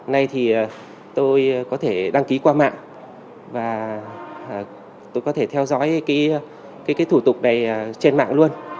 nay thì tôi có thể đăng ký qua mạng và tôi có thể theo dõi thủ tục này trên mạng luôn